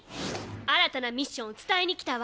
新たなミッションを伝えに来たわ。